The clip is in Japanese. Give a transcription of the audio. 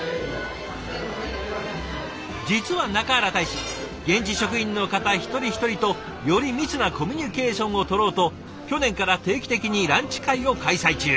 実は中原大使現地職員の方一人一人とより密なコミュニケーションをとろうと去年から定期的にランチ会を開催中。